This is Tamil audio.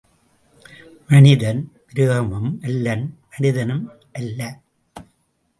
மனிதன், மிருகமும் அல்லன் மனிதனும் அல்ல.